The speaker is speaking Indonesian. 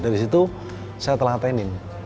dari situ saya telah tenin